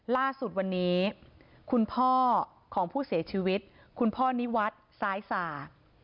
ล่าสุดวันนี้คุณพ่อของผู้เสียชีวิตคุณพ่อนิวัฒน์ซ้ายสา